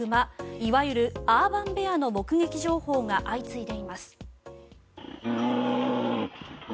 いわゆるアーバンベアの目撃情報が相次いでいます。